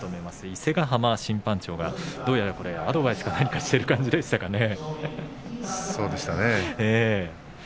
伊勢ヶ濱審判長がどうやらアドバイスか何かしている感じでしたかね。